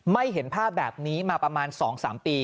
เห็นภาพแบบนี้มาประมาณ๒๓ปี